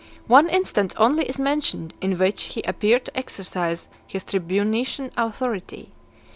One instance only is mentioned, in which he appeared to exercise his tribunitian authority.